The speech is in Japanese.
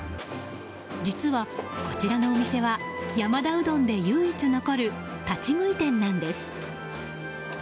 実は、こちらのお店は山田うどんで唯一残る立ち食い店なんです。